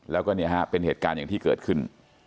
แล้วก็เป็นเหตุการณ์ที่เกิดขึ้น